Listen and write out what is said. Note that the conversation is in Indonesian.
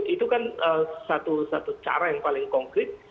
itu kan satu satu cara yang paling konkret